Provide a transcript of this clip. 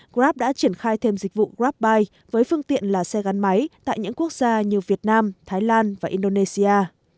grab đã triển khai thêm dịch vụ grabbuy với phương tiện là xe gắn máy tại những quốc gia như việt nam thái lan và indonesia